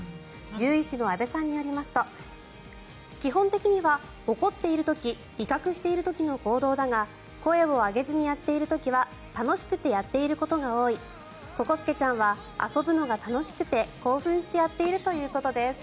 獣医師の阿部さんによりますと基本的には怒っている時威嚇している時の行動だが声を上げずにやっている時は楽しくてやっていることが多いココすけちゃんは遊ぶのが楽しくて興奮していやっているということです。